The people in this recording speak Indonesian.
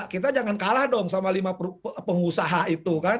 kita jangan kalah dong sama lima pengusaha itu kan